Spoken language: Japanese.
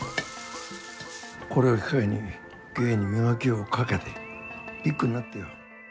これを機会に芸に磨きをかけてビッグになってよ。